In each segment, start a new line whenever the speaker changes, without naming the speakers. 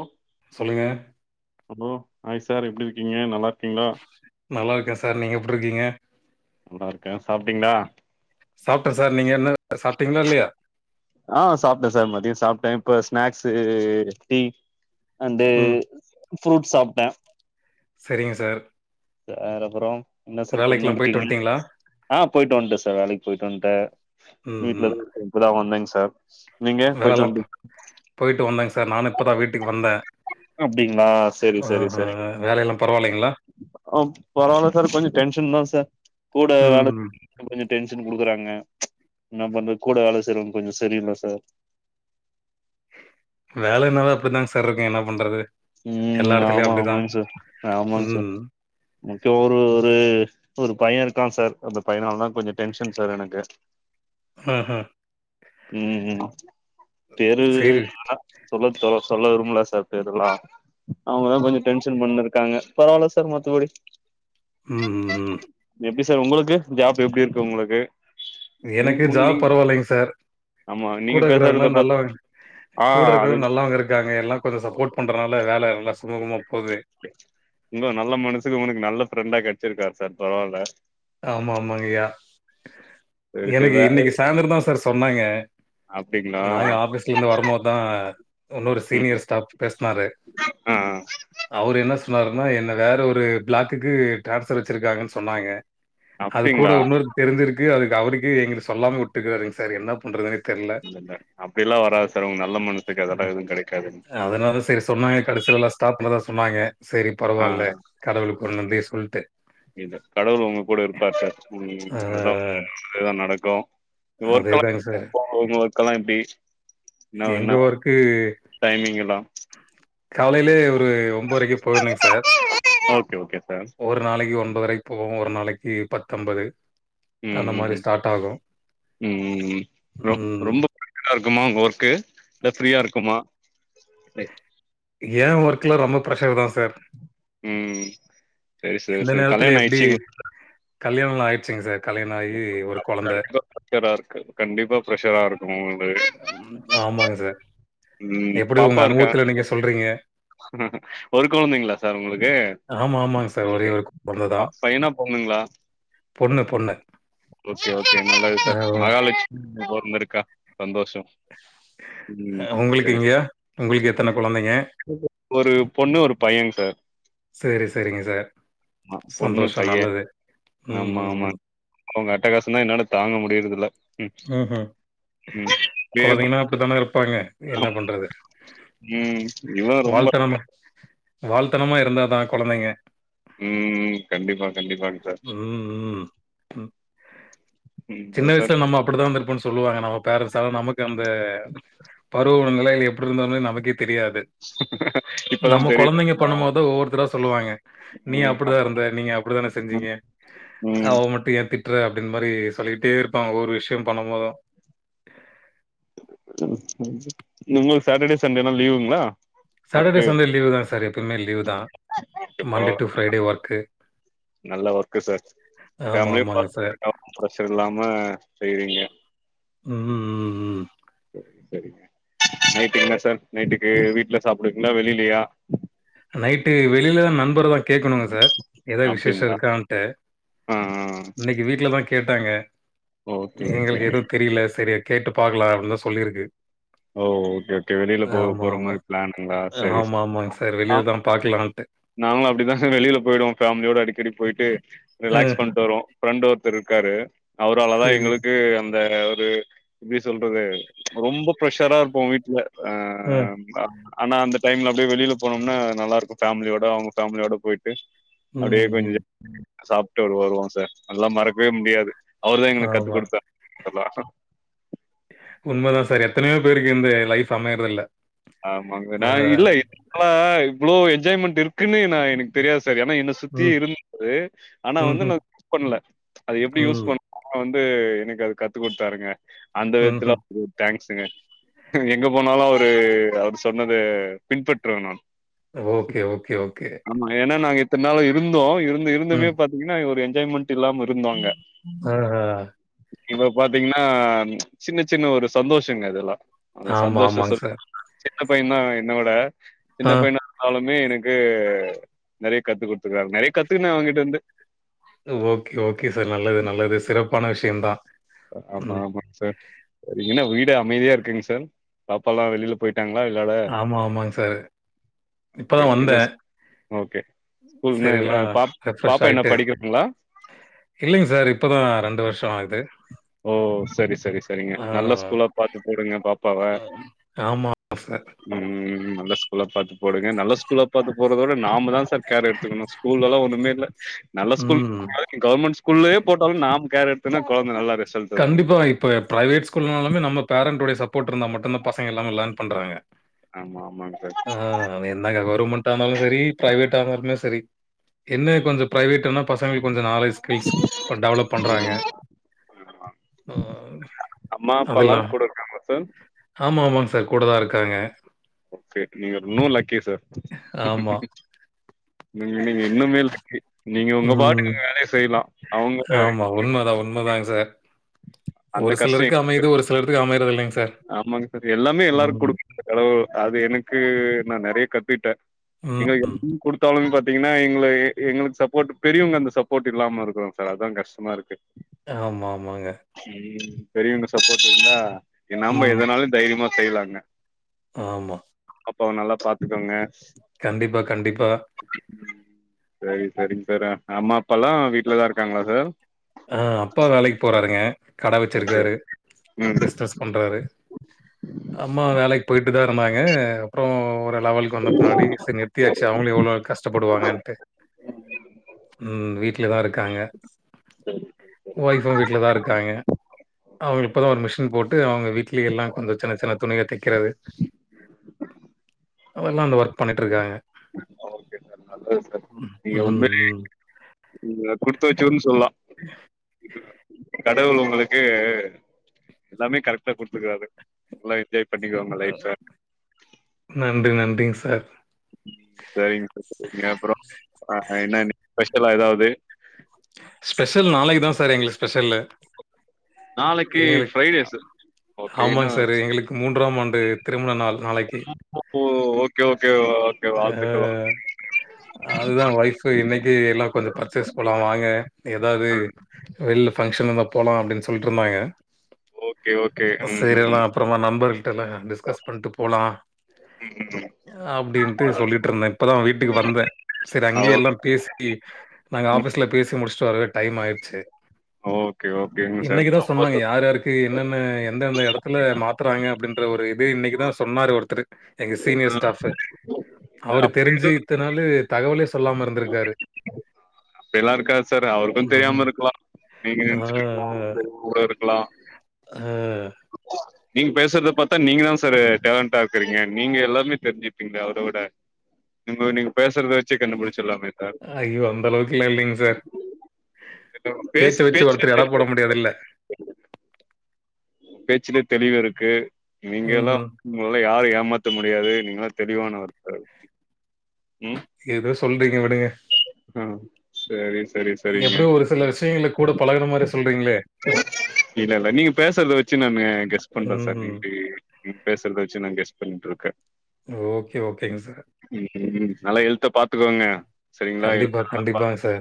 ஒ
சொல்லுங்க
அப்றோ ஹாய் சார் எப்டி இருக்கீங்க நல்லாருக்
நல்லாருக்கே சார் நீங்க எப்டி இருக்கீங்க
நல்லாருக்கே சாப்ட்டீங்களா
சாப்ட்டே சார் நீங்க என்ன சாப்ட்டீங்களா இல்லையா
ஆ சாப்பிட்டே சார் மத்தியோ சாப்பிட்டே இப்ப ஸ்நாக்ஸு டீ அண்ட்டு
ம்
ஃப்ரூட்ஸ் சாப்ட்டே
செரிங்க சார்
அ அர் அப்புறோ என்ன சார் பென்
வேலைக்கெல்லாம் போயிட்டு
எடுத்தீங்க
வந்துட்டீங்களா
ஆ போயிட்டு வந்துட்டே சார் வேலைக்கி போயிட்டு வந்துட்டே
ம்
வீட்ல இரு இப்ப தா வந்தேங் சார் நீங்க போயிட்டு
வேலலா
வந்டி
போயிட்டு வந்தேங் சார் நானு இப்பதா வீட்டுக்கு வந்தே
அப்டிங்களா செரி செரி செரி
வேலையெல்லாம் பரவாயில்லைங்களா
ஆ பரவால்ல சார் கொஞ்சோ டென்ஷன் தா சார் கூட வேல
ம்
கொஞ்சோ டென்ஷன் குடுக்குறாங்க என்ன பண்றது கூட வேல செய்றவங்க கொஞ்சோ சரியில்ல சார்
வேல என்னவோ அப்டிதாங் சார் இருக்கு என்ன பண்றது எல்லா
ம்
இடத்துலயும்
ஆமா
அப்படிதான்
ஆமாங்க சார் ஆமாங்க சார்
ம்
மொத்த ஒரு ஒரு ஒரு பைய இருக்கா சார் அந்த பையனாலதா கொஞ்சோ டென்ஷன் சார் எனக்கு
ஆஹா,
ம் ம் பேரு
சரி
வேணா சொல்ல சொ சொல்ல விரும்பல சார் பேருலா அவங்கதா கொஞ்சோ டென்ஷன் பண்ணிருக்காங்க பரவால்ல சார் மத்தபடி
ம் ம் ம்
எப்டி சார் உங்களுக்கு ஜாப் எப்பிடி இருக்கு உங்களுக்கு ம்
எனக்கு
ம்
ஜாப்
நீங்
பரவாயில்லைங்க சார்
ஆமா
கூட
நீங்க
இருக்கறவங்களா
பேசறத பாத்
நல்லவங்க
ஆ
கூட
அது
இருக்கறவங்க நல்லவங்க இருக்காங்க எல்லா கொஞ்சோ சப்போர்ட் பண்றனால வேல நல்லா சுமூகமா போது
உங்க நல்ல மனசுக்கு உனுக்கு நல்ல ஃப்ரெண்டா கெடைச்சிருக்காரு சார் பரவால
ஆமா ஆமாங்கய்யா
சரி சரி
எனக்கு
வே
இன்னைக்கி சாய்ந்தரன்தா சார் சொன்னாங்க
அப்டிங்களா
நாங்க ஆஃபீஸ்லருந்து வரும்போதுதா இன்னொரு
ம்
சீனியர் ஸ்டாஃப் பேஸ்னாரு
ஆ
அவரு என்ன ஸ் சொன்னாருன்னா என்ன வேற ஒரு பிளாக்குக்கு டிரான்ஸ்ர் வச்சிருக்காங்கன்னு சொன்னாங்க அது கூட
அப்டிங்களா
இன்னொரு தெரிஞ்சிருக்கு அதுக்கு அவருக்கு எங்களுக்கு சொல்லாம வுட்டுருக்காங்க சார் என்ன பண்றதுன்னே
இல்ல இல்ல அப்டி எல்லா வராது சார் உங் நல்ல மனசுக்கு அதெல்லா எது கெடைக்காது
அதனால தா சேரி சொன்னாங்க கடைசில லா ஸ்டாப்பண்தா சொன்னாங்க சேரி
ஆ
பரவால்ல கடவுளுக்கு ஒரு நன்றிய சொல்ட்டு
இல்ல கடவுள் உங்க கூட இருப்பாரு சார் ம் நல்லவுங்
ஆஹ்,
நல்லதே தா நடக்கு ஒர்க்
அதேதாங்க சார்
எல்லா ஒ ஒர்க் எல்லா எப்டி
எங்க ஒர்க்கு
டைமிங்க் எல்லா
காலையிலே ஒரு ஒம்போரைக்கு போயிருனுங் சார்
ஓகே ஓகே சார்
ஒரு ஒரு நாளைக்கு ஒன்பரைக்கு போவோ ஒரு நாளைக்கு பத்து அம்பது
ம் ம் ம் ம் ம் ம் ரொம்
ம்,
ரொம்போ [unintelligible] இருக்குமா உங்க ஒர்க்கு இல்ல ஃப்ரீயா இருக்குமா
ஏன் ஒர்க் லா ரொம்ப ப்ரெஷர் தா சார்
ம் சேரி சேரி சேரி கல்யாணம் ஆயிடுச்சுங்
கல்யாணம்லா ஆயிச்சுங்க சார் கல்யாணம் ஆகி ஒரு
அப்ப
கொழந்த.
கண்டிப்பா ப்ரஷரா இருக்கு கண்டிப்பா ப்ரெஷரா இருக்கு உங்களுக்கு
ம். ஆமாங்க சார்
ம்
எப்டி
பாப்பா
ஒங்க
இருக்கா
அனுபவத்துல நீங்க சொல்றீங்க
ஒரு கொழந்தங்களா சார் ஒங்களுக்கு
ஆமா, ஆமாங்க சார். ஒரே
ஓகே
ஒரு கொழந்த தான்.
பையனா பொண்ணுங்களா
பொண்ணு பொண்ணு.
ஓகே ஓகே நல்லது
அ
சார் மகாலட்சு பொறந்திருக்கா சந்தோஷோ
அ ஒங்களுக்குங்க ஒங்களுக்கு எத்தன குழந்தைங்க
ஒரு பொண்ணு ஒரு பையங் சார்
சேரி சேரிங்க சார்
ஆமா, பொண்ணு
சந்தோஷ நல்லது ம் ம் ம்
அவுங்க அட்டாகாசந்தா என்னால தாங்க முடியறதில்ல ம் ம் பேர்
இப்படித்தான இருப்பாங்க என்ன பண்றது
ம், இவன் ரொம்ப
வால்த்தனமா வால்தனமா இருந்தாதா கொழந்தைங்க
ம் ம் கண்டிப்பா கண்டிப்பாங் சார்
ம், ம். ம்.
ம்
சின்ன
அப்புறம் சார்
வயசுல நம்ம அப்டிதா இருந்திருப்போன் சொல்லுவாங்க நம்ம பேரண்ட்ஸ் நமக்கு அந்த பருவோ நிலையில எப்டி இருந்தோனு நமக்கே தெரியாது
இப்பதான்
நம்ம
தெரியுது
கொழந்தைங்க
ஆமா.
பண்ணம் போது ஒவ்வொருத்ரா சொல்லுவாங்க நீ
ம்,
அப்டிதா
அப்-
இருந்த நீங்க அப்டித்தானே செஞ்சீங்க
ம். ம்.
அவ மட்டும் ஏன் திட் ட்ற அப்டின்ற மாரி சொல்லிகிட்டே இருப்பாங்க ஒவ்வொரு விஷயோ பண்ணும் போதும்
ஒங்களுக்கு சாட்டர்டே சண்டேனா லீவுங்ளா
சாட்டர்டே சண்டே லீவு தா சார் எப்பையுமே லீவ் தா
ஓகே
மண்டே
பரவாயில்ல
டு ஃப்ரைடே ஒர்க்கு
நல்ல ஒர்க்கு சார்
ஆமா,
ஃபேமிலிய
ஆமாங்க சார்.
பாத்துட்டு [inaudible] ப்ரஷர் இல்லாம செய்றீங்க
ம் ம் ம்
சேரி சேரிங்க நைட்டுக்கு என்ன சார் நைட்டுக்கு வீட்ல சாப்பிடுவீங்களா இல்ல வெளிலையா
நைட்டு வெளில தா நண்பர தா கேக்கணுங்க சார் ஏதா விசேஷம்
அப்டிங்களா
இருக்கா டு
ஆ ஆ
இன்னைக்கு வீட்லதா கேட்டாங்க
ஓகே ஓகே
எங்களுக்கு எதுவு தெரில சேரி கேட்டு பாக்கலா அப்டின்னு தா சொல்லியிருக்கு
ஓ ஓகே ஓகே வெளியில போ போற மாரி பிளானுங்களா சேரி ஸ்
சரி வெளிய தா பாக்லான்ட்டு
நாங்களு அப்டிதாங்க வெளில போயிடுவோ ஃபேமிலியோட அடிக்கடி போயிட்டு
அ
ரிலாக்ஸ் பண்ட்டு வருவோ ஃப்ரெண்டு ஒருத்தர் இருக்காரு அவராலதா
சரி.
எங்குளுக்கு ந்த ஒரு எப்டி சொல்றது ரொம்ப ப்ரஷராருப்போ வீட்ல ஆ அ ஆனா அந்த டைம்ல அப்டியே வெளில போனம்னா நல்லாருக்கு ஃபேமிலியோட அவுங்க ஃபேமிலியோட போயிட்டு டு அப்டியே
ம்.
கொஞ்சோ சாப்ட்டு வருவோ சார் அதுலா மறக்கவே முடியாது அவர்தா எங்குளுக்கு கத்து
ஆமா.
குடுத்தார் அதா
உண்மதா சார் எத்தனயோ பேருக்கு இருந்து லைஃப் அமையறது இல்ல
ஆமாங் சார் நா இல்ல [unintelligible] இவ்ளோ என்ஜாய்மெண்ட் இருக்குன்னு நா எனக்கு தெரியாது சார் ஏனா என்ன சுத்தி
ம்.
இருந்துது ஆனா வந்து நா
ம்ஹ்ம்.
[inaudible] பண்ல அது எப்டி யூஸ்
ம்.
பண் அவரு வந்து எனக்கு அது கத்து குத்தாருங்க அந்த விதத்துல
ம்ஹ்ம்.
ம் டங்க்ஸுங்க எங்க போனாலு அவுரு அவர் சொன்னத பின்பற்றுவ நா
ஓகே ஓகே ஓகே
ஆமா ஏனா நாங்க இத்தன் நாளு இருந்தோ இருந் இருந்துமே
ம்.
பாத்தீங்னா ஒரு என்ஜாய்மெண்ட் இல்லாம இருந்தோ அங்க
ஆ.
இப்ப பாத்தீங்னா சின்ன சின்ன ஒரு சந்தோஷங்க இதெல்லா அந்த
ஆமா
சந்தோஷ சொல்
ஆமாங் சார்
சின்ன பையன் தா என்னோட சின்ன
ஆ.
பையன்னா இருந்தாலுமே எனக்கு நறைய கத்துக் குடுத்துக்காரு நறைய கத்துக்குன அவங்கிட்டருந்து
ஓகே ஓகே சார் நல்லது நல்லது சிறப்பான விஷ்யந்தா
ஆமா ஆமாங் சார் சரிங்க என்ன வீடே அமைதியா இருக்குங் சார் பாப்பாலா வெளில போயி எங்னா விளாட
ஆமா ஆமாங் சார் இப்பதா
ஓகே, என்ன
வந்தே
ஸ் ஓகே. ஸ்கூல் என்ன
செரி
அ
எல்லா
பாப்
ரெஃப்ரெஷ்
பாப்பா என்ன
ஆயிட்டு
படிக்கிறாங்களா?
இல்லைங்க சார் இப்பதா ரெண்டு வர்ஷோ ஆகுது
ஓ செரி செரி செரிங்க
ஆ.
நல்ல ஸ்கூலா பாத்து போடுங்க பாப்பாவ
ஆமா ஆமா சார்
ம் நல்லது ஸ்கூல பாத்து போடுங்க நல்லா ஸ்கூல்ல பாத்து போர்றதோட நாம தா சார் கேர் எடுத்துக்கணு ஸ்கூல்லலா ஒன்னுமே இல்ல நல்ல ஸ்கூல்
ம்.
அதாது கவர்மெண்ட் ஸ்கூல்லே போட்டாலு நாம கேர் எடுத்தன்னா கொழந்த நல்லா ரிசல்ட் இருக்குங்க
கண்டிப்பா
சார்.
இப்ப பிரைவேட் ஸ்கூல்னாலுமே நம்ம பேரண்ட்டுடைய சப் போர்ட்ருந்தா மட்டுந்தா பசங்க எல்லாமே லேர்ன் பண்றாங்க
ஆமா ஆமாங்க சார்
அது என்னங்க கவர்மெண்ட் இருந்தாலு சரி பிரைவேட்டா இருந்தாலுமே சரி என்ன கொஞ்சோ பிரைவேட்டுனா பசங்க கொஞ்சோ நாலேஜ் ஸ்கில்ஸ் டெவலப் பண்றாங்க
ம்
ஆ
அம்மா அப்பால்லா
அதெல்லாம்.
கூட இருக்காங்களா சார்
ஆமா ஆமாங் சார் கூட தா இருக்காங்க
ஓகே நீங்க இன்னு லக்கி சார்
ஆமா.
நீங்க நீங்க இன்னுமே லக்கி நீங்க உங்க
ம்.
பாட்டுக்கு வேலைய செய்லா
ஆமா உண்ம தா உண்ம தாங்க சார்
அந்த
ஒரு
கஷ்ட
சிலருக்கு அமையுது ஒரு சிலருத்துக்கு அமைரது இல்லைங் சார்
ஆமாங்க சார் எல்லாமே எல்லாருக்கு
ம்.
குடுக்க [inaudible] கடவுள் அது எனக்கு நா நெறைய கத்துட்டே எங்க
ம்.
[inaudible] குடுத்தாலுமே பாத்தீங்கன்னா எங்கள எ எங்களுக்கு சப்போர்ட் பெரியவங்க அந்த சப்போர்ட் இல்லாம இருக்குறோ சார் அதா கஷ்டமாருக் கு
ஆமாமாங்க
ம் பெரியவங்க சப்போர்ட் இருந்தா என் நாம
ம்.
எதனாலு தைரியமா செய்யலாங்க
ஆமா
அப்பாவ நல்லா பாத்துக்கோங்க
கண்டிப்பா கண்டிப்பா
செரி செரிங் சார் அ அம்மா அப்பால்லா வீட்லதா இருக்காங்களா சார்?
ஆ அப்பா வேலைக்கு போறாருங்க கட
ஓகே
வச்சிருக்காரு
ம்
பிஸ்னஸ் பண்றாரு அம்மா வேலைக்கு போயிட்டுதா இருந்தாங்க அப்றோ ஒரு லெவலுக்கு வந்த பின்னாடி சர் நிறுத்தியாச்சு அவங்களு எவ்ளோ கஷ்டப்படுவாங்கன்ட்டு
உம் உ
ம் வீட்லதா இருக்காங்க
செரி
ஒய்ஃப்பு வீட்லதா இருக்காங்க அவங்களுக் இப்பதா ஒரு மிஷின் போட்டு அவங்க வீட்டுலயே எல்லா கொஞ்ச சின்ன சின்ன துணிய தை க்கிறது ஒ நல்ல ஒர்க் பண்ணிட்டுருக்காங்க
ஓகே சார் நல்லது சார் நீங்க உண்மைலே
ம்.
நீங்க குடுத்து வச்சவர்னு சொல்லா கடவுள் உங்களுக்கு எல்லாமே கரெக்டா குடுத்துக்கறாரு நல்லா எஞ்சாய் பண்ணிக்கோங்க
அ
லைஃப்ப
நன்றி நன்றிங் சார்
செரிங்க சார் செரிங்க அப்றோ அ என்ன இன்னைக் ஸ்பெஷலா எதாவ்து
ஸ்பெஷல் நாளைக்குதா சார் எங்களுக் ஸ்பெஷல்லு
நாளைக்கு ஃப்ரைடே சார் ஓகே என்ன
ஆமாங் சார் எங்களுக்கு மூன்றாம் ஆண்டு திருமண நாள் நாளைக்கு
போ ஓக் கே ஓகே ஓகே வாழ்த்துக்கள் [inaudible]
அதுதா ஒய்ஃப் இன்னைக்கு எல்லா கொஞ்சொ பர்ச்சேஸ் பண்ண வா ங்க எதாவ்து வெளில ஃபங்க்ஷன் இருந்தா போலா அப்டின் சொல்ட்டுருந்தாங்க
கே ஓகே
செரி எல்லா
ம்
அப்றமா நண்பர்கள்ட்டலா டிஸ்கஸ் பண்ட்டு போலா
ம் ம் ம்
அப்பனடின்ட்டு சொல்லிட்டுருந்தே இப்பதா வீட்டுக்கு வந்தே சரி அங்கே எல்லா பேசி சி நாங்க ஆஃபிஸ்ல பேசி முடிச்சுட்டு வரவே டைம் ஆயிடுச்சு
ஓகே ஓகேங்க சார்
இன்னைக்குதா
ரொம்ப
சொன்னாங்க யார் யாருக் கு என்னென்ன எந்தெந்த எடத்துல மாத்துறாங்க அப்டின்ற ஒரு இது இன்னைக்குதா சொன்னாரு ஒருத்தரு எங்க சீனியர்
சந்தோஷம்.
ஸ்டாஃப் அவரு
அப்படி
தெரிஞ்சு
எதுவும்
இத்த நாள் தகவலே சொல்லாம இருந்திருக்காரு
அப்டில்லா இருக்காது சார் அவருக்கு
ம்.
தெரியாம இருக்கலா நீங்க
ஆ,
நெனைச்சுட்டுருக்கீங்க அவருக்கு தெரியாம கூட இருக்கலா
ஆ
நீங் பேசுறது பாத்தா நீங்க தான் சாரு டேலண்டா இருக்குறீங்க நீங்க எல்லாமே தெரிஞ்சுப்பீங்க அவரவிட நீங்க நீங்க பேசுறத வச் சு கண்டுபுடிச்சர்லாமே சார்
ஐயோ! அந்த அளவுக்குலாம் இல்லைங்க சார்.
ஏங்க உங்க பேஸ்
பேச்ச வச்சு
பேச்சுலே
ஒருத்தர் எடை
தெளிவு
போட
[inaudible]
முடியாதுல்ல.
பேச்சுலே தெளிவுருக்கு நீங்களு
ம்ஹ்ம்.
உங்களல்லா யாரு ஏமாத்த முடியாது நீங்கல்லா தெளிவான ஆளு ம்
ஏதோ சொல்றீங்க விடுங்க
அ சரி சரி சரிங்க
எப்படியோ ஒரு சில விஷயங்கள கூட பழகுன மாரி சொல்றீங்களே
இல்ல இல்ல நீங்க பேசற்த வெச்சு நானு கெஸ் பண்ற சார் நீங்க
ம்ஹ்ம்.
இப்டி நீங் பேசற்த வெச்சு நா கெஸ் பண்ணிட்ருக்கே
ஓகே ஓகேங்க சார்
ம் ம் ம் நல்லா எல்த்த பாத்துக்கோங்க சரிங்களா எழுத்த
கண்டிப்பா
நல்லா பா
கண்டிப்பாங்க சார்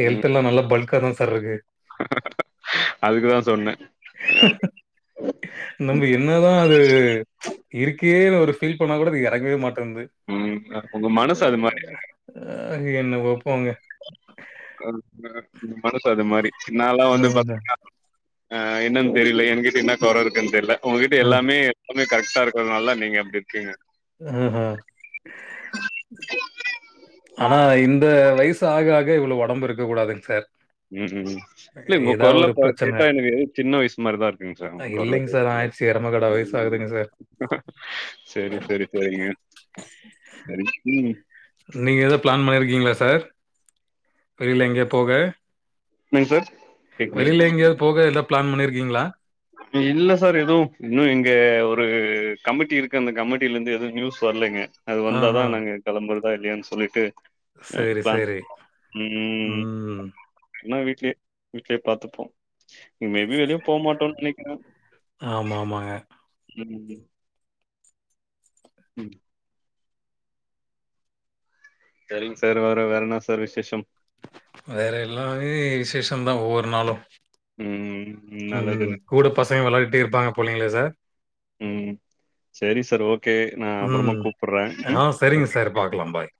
ஹெல்த்
ம்,
எல்லா நல்லா பல்க்கா தா சார்ருக்கு
அதுக்கு தா சொன்னே
ஹ நம்ம என்னதா அது இருக்கேன்னு ஒரு ஃபீல் பண்ணா கூட அது எறங்கவே மாட்டன்து
உங்க உங்க மனசு அது மாரி
ஆ என்னவோ போங்க
[inaudible] ங்க உங்க மனசு அது மாரி நால்லா வந்து
அதாங்க.
பாத்தீங்கன்னா ஆ என்னன் தெரியில எங்கிட்ட என்ன கொற இருக்குன் தெர்ல உங்ககிட்ட
அ,
எல்லாமே அப்டியே கரெக்ட்டா இருக்கதற்னால நீங்க அப்டி இருக்கீங்க
ம்ம் ஆனா இந்த வய்சு ஆக ஆக இவ்ளோ ஒடம்பு இருக்க கூடாதுங் சார்
ம்ம் இல்ல உங்க
ஏதாவது
கொரல
ஒரு
பா
பிரச்சனை.
கேட்டா எனக்கு ஏதோ சின்ன வய்சு மாரிதா இருக்குங் சார் உங்க கொரல கேட்டா
சீ எருமகடா வய்சு ஆகுதுங்க சார்
செரி செரி செரிங்க செரி ம்
நீங்க எதோ ப்ளான் பண்ணிருக்கீங்ளா சார் வெளில எங்யோ போக
என்னங் சார்
வெளில
கேக்குதுங்களா
எங்யாவ்து போக எதா பிளான் பண்ணிருக்கீங்ளா
இல்ல சார் எது இன்னு இங்க ஒரு கமிட்டி இருக்கு அந்த கமிட்டிலர்ந்து எது நியூஸ் வர்லைங்க அது வந்தா தா
ஆஹா.
நாங்க கெளம்பற்தா இல்லையான் சொல்லிட்டு ம்
சரி,
பிளான்
சரி.
ம் இல்னா வீட்லே வீட்லே பாத்துப்போ ம் மேபி வெளிய போ மாட்டோ நெனைக்கிறோ
ஆமா, ஆமாங்க.
ம் ம் சேரிங்க சார் வேற வேறென்னா சார் விசேஷம்
வேற எல்லாமே விசேஷந்தா ஒவ்வொரு நாளு
ம்.
ம்
நல்லதுங்க.
கூட பசங்க வெளாடிட்டே இருப்பாங்க போலைங்ளே சார்
ம். சரி சார். ஓகே. நான் அப்புறமா
ம்
கூப்புடுறேன்.
ஆ
ம்.
சரிங்க சார் பாக்கலா பாய்